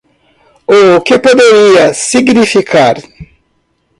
O que poderia significar?